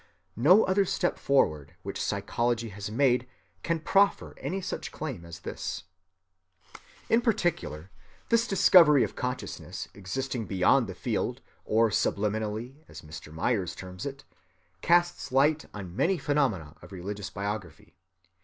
No other step forward which psychology has made can proffer any such claim as this. In particular this discovery of a consciousness existing beyond the field, or subliminally as Mr. Myers terms it, casts light on many phenomena of religious biography.